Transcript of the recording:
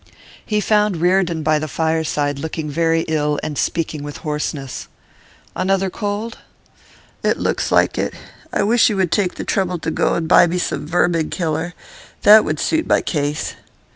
He found Reardon by the fireside, looking very ill, and speaking with hoarseness. 'Another cold?' 'It looks like it. I wish you would take the trouble to go and buy me some vermin killer. That would suit my case.